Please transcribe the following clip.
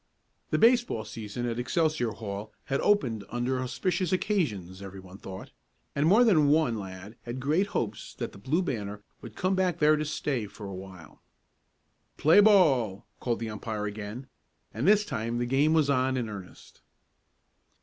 The baseball season at Excelsior Hall had opened under auspicious occasions everyone thought, and more than one lad had great hopes that the Blue Banner would come back there to stay for a while. "Play ball!" called the umpire again, and this time the game was on in earnest.